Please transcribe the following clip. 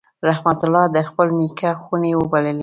رحمت الله د خپل نیکه خونې وبللې.